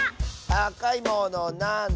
「あかいものなんだ？」